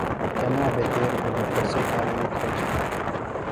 کنا بھےۡ تیر بِھلوۡ ایسوۡ کال نہ کھوجہ۔